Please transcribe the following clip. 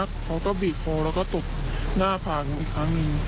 เขาก็บีบคอแล้วก็ตบหน้าผ่านอีกครั้งหนึ่ง